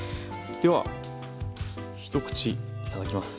では一口頂きます。